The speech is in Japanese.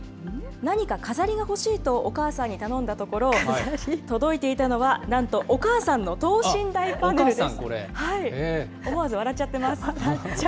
何か飾りが欲しいとお母さんに頼んだところ、届いていたのは、なんとお母さんの等身大パネルです。